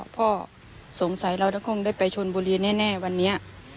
พ่อสงสัยเราจะคงได้ไปชนบุรีแน่วันนี้